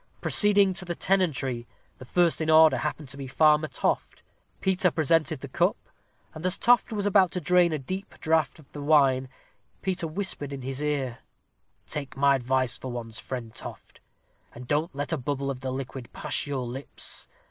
Proceeding to the tenantry, the first in order happened to be Farmer Toft. Peter presented the cup, and as Toft was about to drain a deep draught of the wine, Peter whispered in his ear, "Take my advice for once, Friend Toft, and don't let a bubble of the liquid pass your lips.